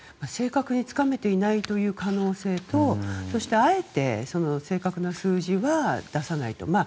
正確につかめていないという可能性とそしてあえて正確な数字は出さないと。